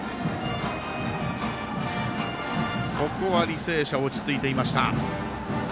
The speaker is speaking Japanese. ここは履正社落ち着いていました。